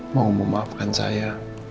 mau memaafkan saya